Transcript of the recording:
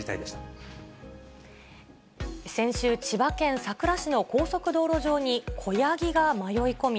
先週、千葉県佐倉市の高速道路上に子ヤギが迷い込み、